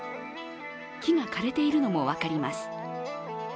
木が枯れているのも分かります。